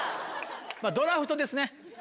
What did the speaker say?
まぁドラフトですね。